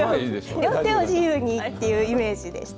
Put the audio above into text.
両手を自由にっていうイメージでした。